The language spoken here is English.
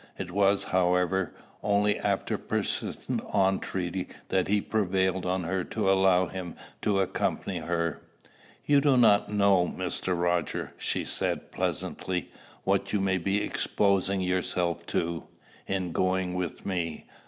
It was, however, only after persistent entreaty that he prevailed on her to allow him to accompany her. "You do not know, Mr. Roger," she said pleasantly, "what you may be exposing yourself to, in going with me.